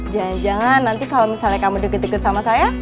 jangan jangan nanti kalau misalnya kamu deket deket sama saya